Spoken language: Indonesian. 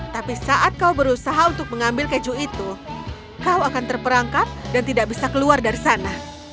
tapi saat kau berusaha untuk mengambil keju itu kau akan terperangkap dan tidak bisa keluar dari sana